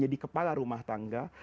jadi kepala rumah tanggal